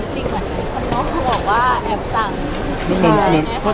จากที่เป้ิ้ลโพส